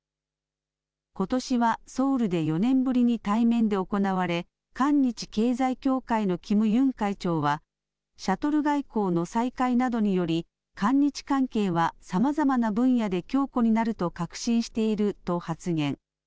ことしはソウルで４年ぶりに対面で行われ、韓日経済協会のキム・ユン会長は、シャトル外交の再開などにより、韓日関係はさまざまな分野で強固になると確信していると発言。